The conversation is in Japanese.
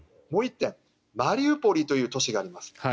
もう１点、マリウポリという都市があります。